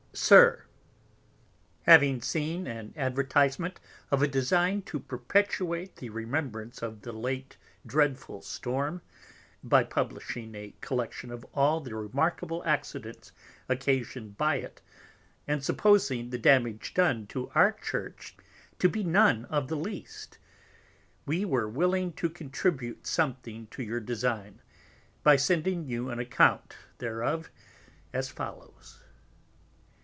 SIR, Having seen an Advertisement of a Design to perpetuate the Remembrance of the late dreadful Storm, by publishing a Collection of all the remarkable Accidents occasion'd by it, and supposing the Damage done to our Church to be none of the least, we were willing to contribute something to your Design, by sending you an Account thereof as follows.